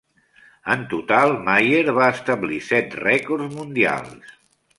En total Maier va establir set rècords mundials.